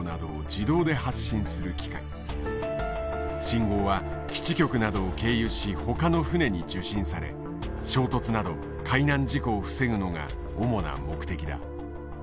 信号は基地局などを経由しほかの船に受信され衝突など海難事故を防ぐのが主な目的だ。